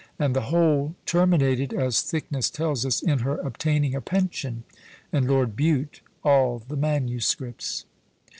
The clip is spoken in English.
and the whole terminated, as Thicknesse tells us, in her obtaining a pension, and Lord Bute all the MSS.